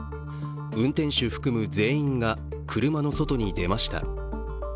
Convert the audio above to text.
運転手含む全員が車の外に出ました。